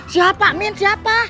siapa amin siapa